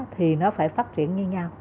thì nó phải phát triển như nhau